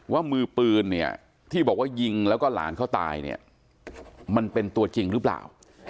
ว่ามือปืนเนี่ยที่บอกว่ายิงแล้วก็หลานเขาตายเนี่ยมันเป็นตัวจริงหรือเปล่า